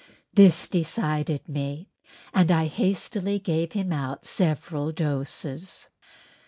This decided me and I hastily gave him out several doses.